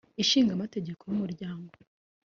Ishinga Amategeko y Umuryango